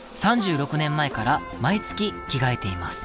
３６年前から毎月着替えています。